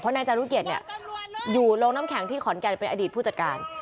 เพราะในจารุเกียร์เนี่ยอยู่โรงน้ำแข็งที่ขอนแก่เป็นอดีตผู้จัดการ